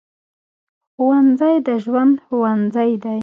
ښوونځی د ژوند ښوونځی دی